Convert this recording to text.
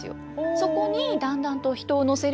そこにだんだんと人を乗せるようになって。